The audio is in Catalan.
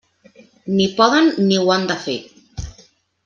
Ni poden ni ho han de fer.